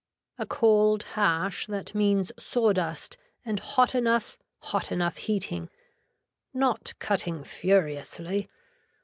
A cold hash that means saw dust and hot enough, hot enough heating. Not cutting furiously.